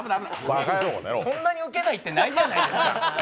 そんなにウケないってないじゃないですか。